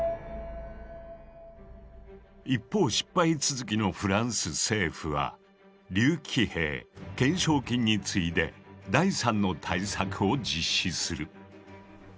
一方失敗続きのフランス政府は竜騎兵懸賞金に次いで第３の対策を実施する。